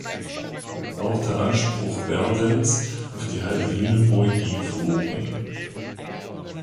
Auch der Anspruch Verdens auf die halbe Lüneburg ging verloren.